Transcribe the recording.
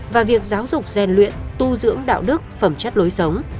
và việc giáo dục rèn luyện tu dưỡng đạo đức phẩm chất lối sống